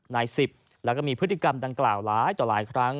นายสิบแล้วก็มีพฤติกรรมดังกล่าวหลายต่อหลายครั้ง